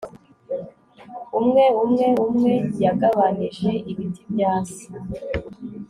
umwe umwe umwe yagabanije ibiti bya se